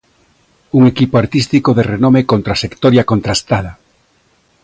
Un equipo artístico de renome con traxectoria contrastada.